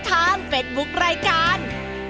ทางเฟ็ดบุ๊ครายการ